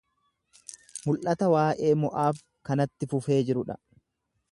Mul’ata waa’ee Mo’aab kanatti fufee jiru dha.